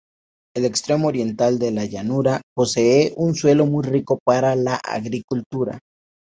El extremo oriental de la llanura posee un suelo muy rico para la agricultura.